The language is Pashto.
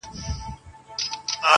چي فکرونه د نفاق پالي په سر کي٫